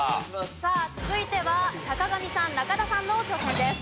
さあ続いては坂上さん中田さんの挑戦です。